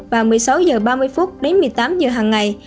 và một mươi sáu h ba mươi đến một mươi tám h hàng ngày